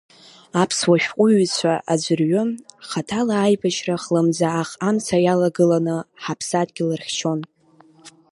Аԥсуа шәҟәыҩҩцәа аӡәырҩы, хаҭала аибашьра хлымӡаах амца иалагыланы, ҳаԥсадгьыл рыхьчон…